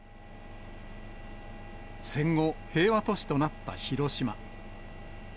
戦後、平和都市となった広島。